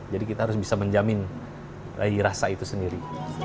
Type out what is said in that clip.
jadi kita harus bisa menjamin dari rasa itu sendiri